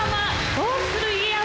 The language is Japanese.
「どうする家康」